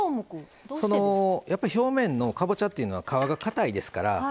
表面のかぼちゃっていうのは皮がかたいですから。